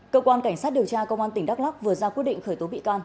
cơ quan cảnh sát điều tra công an tỉnh đắk lắc vừa ra quyết định khởi tố bị can